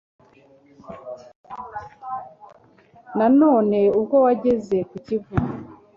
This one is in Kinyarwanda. Nanone ubwo wageze ku Kivu